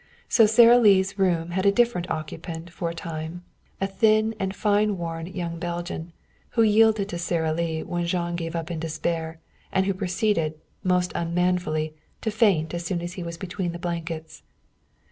So Sara Lee's room had a different occupant for a time, a thin and fine worn young Belgian, who yielded to Sara Lee when Jean gave up in despair, and who proceeded, most unmanfully, to faint as soon as he was between the blankets.